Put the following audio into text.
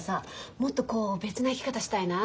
もっとこう別な生き方したいなあ。